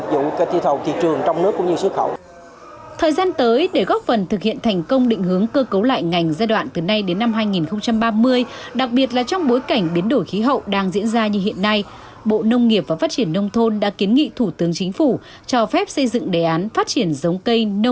giống vật nuôi và giống thủy sản đến năm hai nghìn hai mươi do bộ nông nghiệp và phát triển nông thôn tổ chức vừa qua